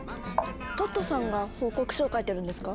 トットさんが報告書を書いてるんですか？